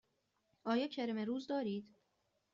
آیا کرم روز دارید؟